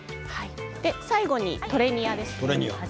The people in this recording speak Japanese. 最後にトレニアです。